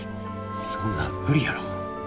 そんなん無理やろ。